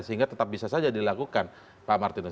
sehingga tetap bisa saja dilakukan pak martinus